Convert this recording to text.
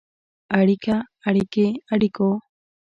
اړیکه ، اړیکې، اړیکو.